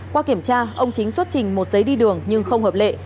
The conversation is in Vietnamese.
qua kiểm tra ông chính xuất trình một giấy đi đường nhưng không hợp lệ